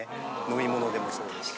飲み物でもそうだし。